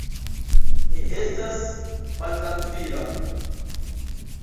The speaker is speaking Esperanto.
Mi estas maltrankvila.